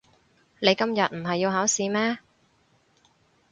你今日唔係要考試咩？